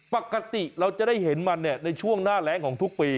ปกติเราจะได้เห็นมันในช่วงหน้าแรงของทุกปี